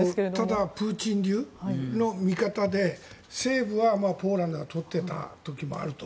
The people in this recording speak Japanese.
ただ、プーチン流の見方で西部はポーランドが取っていた時もあると。